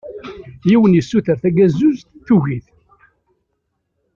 Yiwen yessuter tagazuzt, tugi-t.